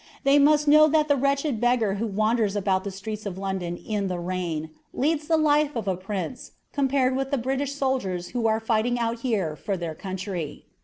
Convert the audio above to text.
They must know that the wretched beggar who wanders about the streets of London in the rain, leads the life of a prince, compared with the British soldiers who are fighting out here for their country.